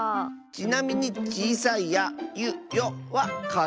ちなみにちいさい「や」「ゆ」「よ」はかぞえない。